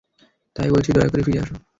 তাই বলছি দয়া করে ফিরে আসো।